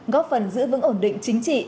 góp phần giữ vững ổn định chính trị